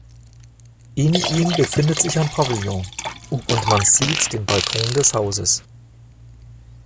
In ihm befindet sich ein Pavillon, und man sieht den Balkon des Hauses.